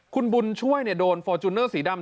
คุณบุญช่วยโดนฟอร์จูเนอร์สีดำ